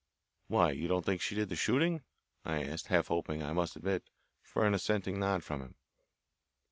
"Why, you don't think she did the shooting?" I asked, half hoping, I must admit, for an assenting nod from him.